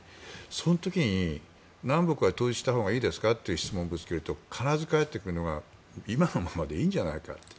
その時に南北を統一したほうがいいですか？と聞いた時に必ず返ってくるのが今のままでいんじゃないか。